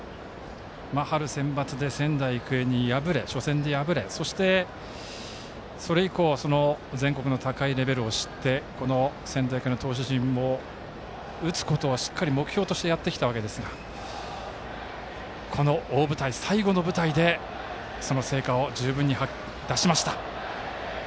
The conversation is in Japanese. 春センバツで仙台育英に初戦で敗れ、それ以降全国の高いレベルを知って仙台育英の投手陣を打つことを目標としてやってきたわけですがこの大舞台、最後の舞台でその成果を十分に出しました。